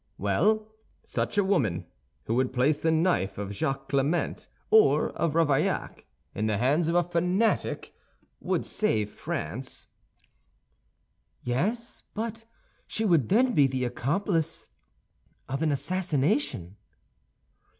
"Well, such a woman, who would place the knife of Jacques Clément or of Ravaillac in the hands of a fanatic, would save France." "Yes; but she would then be the accomplice of an assassination."